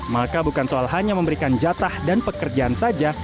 maka bukan soal hanya memberikan jatah dan pekerjaan saja